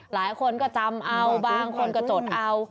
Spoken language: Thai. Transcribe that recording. หลายคนก็จำเอาบางคนก็จดเอา